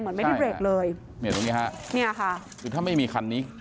เหมือนไม่ได้เบรกเลยเนี่ยตรงนี้ฮะเนี่ยค่ะคือถ้าไม่มีคันนี้